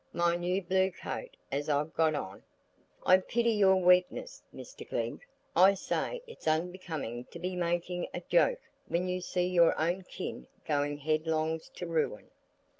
"My new blue coat as I've got on?" "I pity your weakness, Mr Glegg. I say it's unbecoming to be making a joke when you see your own kin going headlongs to ruin."